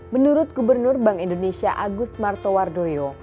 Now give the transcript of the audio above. menurut gubernur bank indonesia agus martowardoyo